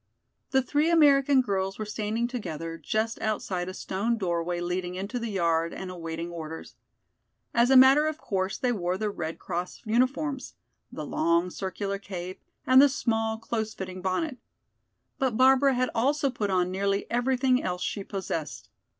The three American girls were standing together just outside a stone doorway leading into the yard and awaiting orders. As a matter of course they wore their Red Cross uniforms: the long circular cape and the small close fitting bonnet. But Barbara had also put on nearly everything else she possessed.